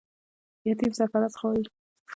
یتیم سرپرست غواړي